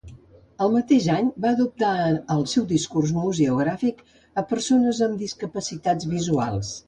El mateix any va adaptar el seu discurs museogràfic a persones amb discapacitats visuals.